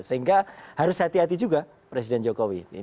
sehingga harus hati hati juga presiden jokowi